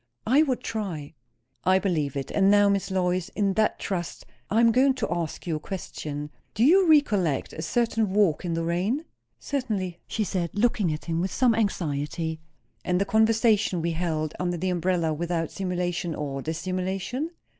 "I would try." "I believe it. And now, Miss Lois, in that trust, I am going to ask you a question. Do you recollect a certain walk in the rain?" "Certainly!" she said, looking at him with some anxiety. "And the conversation we held under the umbrella, without simulation or dissimulation?"